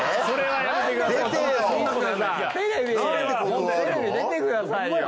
それはやめてください。